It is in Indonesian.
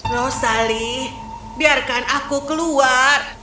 rosali biarkan aku keluar